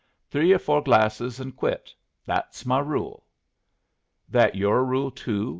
Three or four glasses and quit. That's my rule." "That your rule, too?"